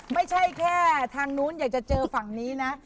ไม่ใช่แค่ทางนู้นอยากจะเจอฝั่งนี้นะ